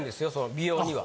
美容には。